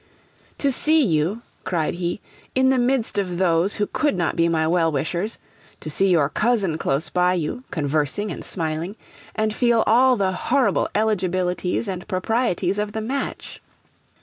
'To see you,' cried he, 'in the midst of those who could not be my well wishers; to see your cousin close by you, conversing and smiling, and feel all the horrible eligibilities and proprieties of the match!